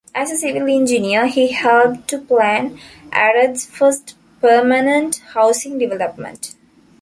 As a civil engineer, he helped to plan Arad's first permanent housing development.